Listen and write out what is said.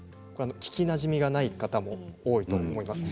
聞きなじみがない方も多いと思います。